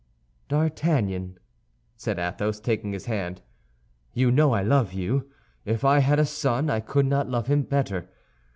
"D'Artagnan," said Athos, taking his hand, "you know I love you; if I had a son I could not love him better.